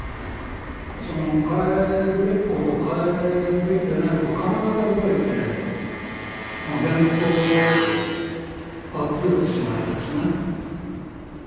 その変えるべきこと変えるべきでないことを体で覚えてまあ伝統をアップデートしてもらいたいですね。